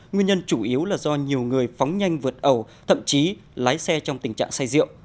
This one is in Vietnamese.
nguyên nhân chủ yếu là do nhiều người phóng nhanh vượt ẩu thậm chí lái xe trong tình trạng say rượu